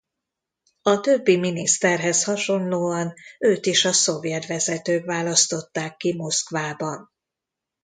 A többi miniszterhez hasonlóan őt is a szovjet vezetők választották ki Moszkvában.